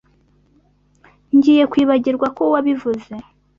Ngiye kwibagirwa ko wabivuze.